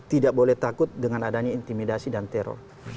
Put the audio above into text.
tidak boleh takut dengan adanya intimidasi dan teror